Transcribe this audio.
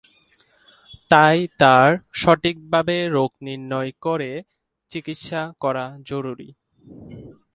তাই তার সঠিকভাবে রোগ নির্ণয় করে চিকিৎসা করা জরুরী।